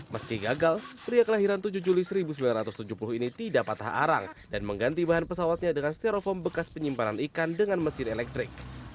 meski gagal pria kelahiran tujuh juli seribu sembilan ratus tujuh puluh ini tidak patah arang dan mengganti bahan pesawatnya dengan sterofoam bekas penyimpanan ikan dengan mesin elektrik